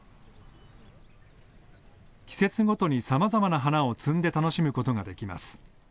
季節ごとにさまざまな花を摘んで楽しむことができます。